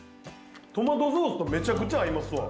トマトソースとめちゃくちゃ合いますわ。